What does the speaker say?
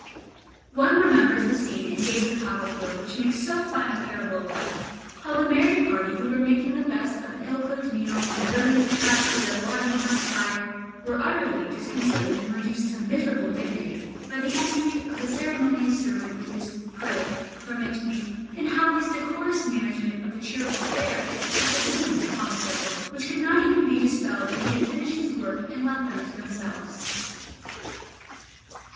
One remembers the scene in David Copperfield which makes so fine a parable of life; how the merry party who were making the best of an ill cooked meal, and grilling the chops over the lodging house fire, were utterly disconcerted and reduced to miserable dignity by the entry of the ceremonious servant with his "Pray, permit me," and how his decorous management of the cheerful affair cast a gloom upon the circle which could not even be dispelled when he had finished his work and left them to themselves.